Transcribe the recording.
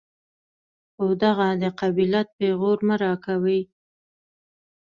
خو دغه د قبيلت پېغور مه راکوئ.